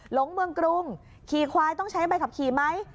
ลงเมืองกรุงขี่ควายต้องใช้ใบขับขี่ไหม